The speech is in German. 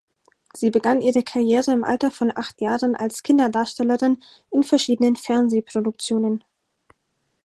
Sie begann ihre Karriere im Alter von acht Jahren als Kinderdarstellerin in verschiedenen Fernsehproduktionen.